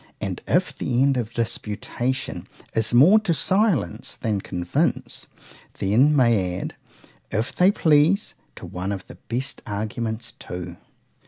And, if the end of disputation is more to silence than convince,—they may add, if they please, to one of the best arguments too.